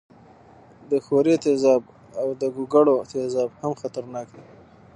د ښورې تیزاب او د ګوګړو تیزاب هم خطرناک دي.